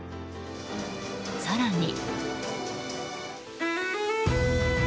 更に。